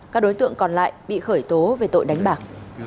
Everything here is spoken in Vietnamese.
các đối tượng còn lại bị khởi tố về tội đánh bạc